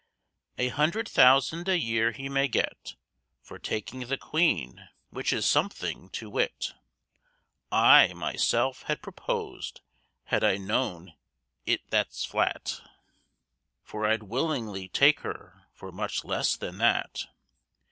A hundred thousand a year he may get For taking the Queen, which is something to wit; I myself had "propos'd," had I known it that's flat, For I'd willingly take her for much less than that.